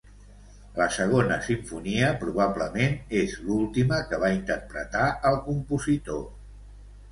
La Segona Simfonia probablement és l'última que va interpretar el compositor.